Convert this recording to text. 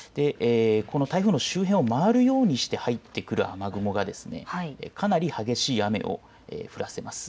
この台風の周辺を回るようにして入ってくる雨雲がかなり激しい雨を降らせます。